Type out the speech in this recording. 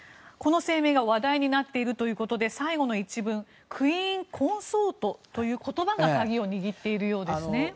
この声明が話題になっているということで最後の一文クイーン・コンソートという言葉が鍵を握っているようですね。